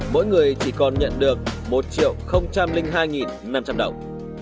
mỗi người chỉ còn nhận được một triệu hai trăm linh hai năm trăm linh đồng